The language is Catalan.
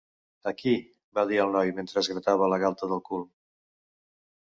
Aquí —va dir el noi, mentre es gratava la galta del cul.